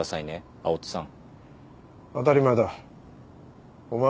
青砥さん